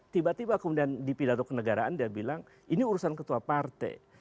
tiba tiba kemudian dipindah ke negaraan dia bilang ini urusan ketua partai